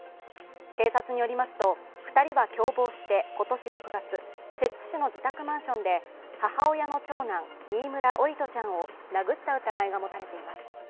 警察によりますと２人は共謀して今年６月、摂津市の自宅マンションで母親の長男新村桜利斗ちゃんを殴った疑いが持たれています。